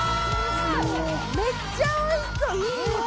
めっちゃおいしそう！